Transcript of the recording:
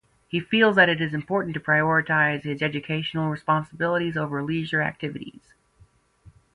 He feels that it is important to prioritize his educational responsibilities over leisure activities.